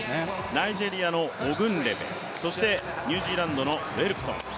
ナイジェリアのオグンレベ、そしてニュージーランドのウェルプトン。